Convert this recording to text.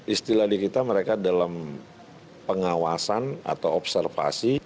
istilah di kita mereka dalam pengawasan atau observasi